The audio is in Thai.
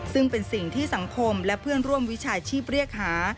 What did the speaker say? ซึ่งเป็นสิ่งที่สังคมและเพื่อนร่วมวิชาชีพเรียกหา